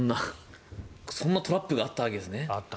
そんなトラップがあったわけですね。